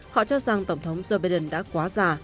họ cho rằng tổng thống joe biden đã quá già